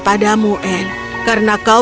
padamu anne karena kau